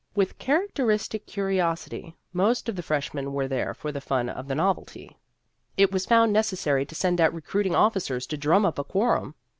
With characteristic curiosity, most of the freshmen were there for the fun of the novelty. It was found neces sary to send out recruiting officers to drum up a quorum.